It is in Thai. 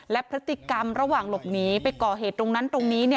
และพฤติกรรมระหว่างหลบหนีไปก่อเหตุตรงนั้นตรงนี้